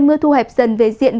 mưa thu hẹp dần về diện